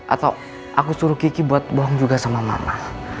atau aku suruh kiki buat bohong juga sama mama